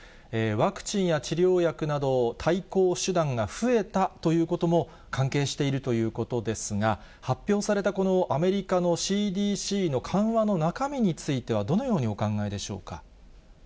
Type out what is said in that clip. ワクチンや治療薬など対抗手段が増えたということも、関係しているということですが、発表されたこのアメリカのＣＤＣの緩和の中身については、どのようにお考えでしょうか。